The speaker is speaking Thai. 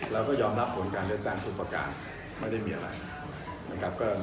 เราก็ยอมรับผลการเลือกตั้งทุกประการไม่ได้มีอะไรนะครับ